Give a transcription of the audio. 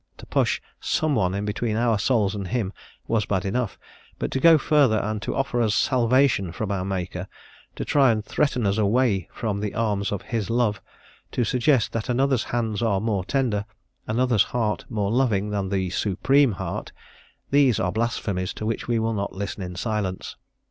To push some one in between our souls and Him was bad enough; but to go further and to offer us salvation from our Maker, to try and threaten us away from the arms of His Love, to suggest that another's hands are more tender, another's heart more loving than the Supreme Heart, these are blasphemies to which we will not listen in silence.